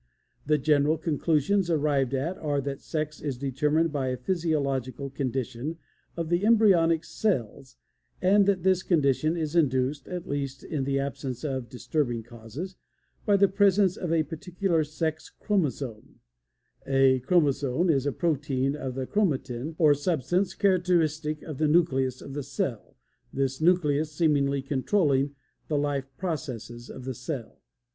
The general conclusions arrived at are that sex is determined by a physiological condition of the embryonic cells, that this condition is induced, at least in the absence of disturbing causes, by the presence of a particular sex chromosome. [A "chromosome" is a portion of the chromatin, or substance characteristic of the nucleus of the cell, this nucleus seemingly controlling the life processes of the cell.